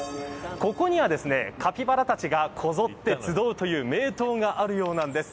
ここにはカピバラたちがこぞって集うという名湯があるようなんです。